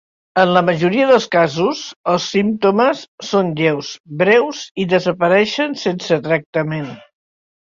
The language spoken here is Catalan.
En la majoria dels casos els símptomes són lleus, breus i desapareixen sense tractament.